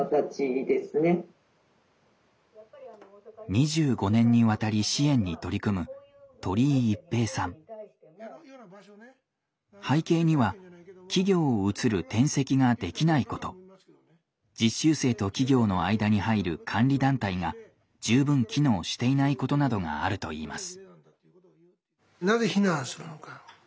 ２５年にわたり支援に取り組む背景には企業を移る転籍ができないこと実習生と企業の間に入る監理団体が十分機能していないことなどがあるといいます。